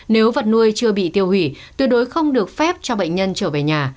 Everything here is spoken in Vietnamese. nếu vật nuôi chưa bị tiêu hủy tuyệt đối không được phép cho bệnh nhân trở về nhà